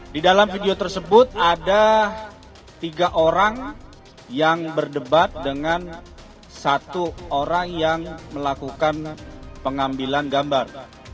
di dalam video tersebut ada tiga orang yang berdebat dengan satu orang yang melakukan pengambilan gambar